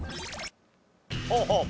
ほうほう。